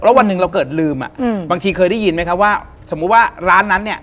แล้ววันหนึ่งเราเกิดลืมอ่ะอืมบางทีเคยได้ยินไหมครับว่าสมมุติว่าร้านนั้นเนี่ย